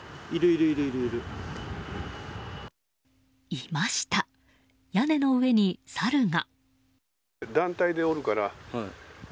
いました、屋根の上にサルが。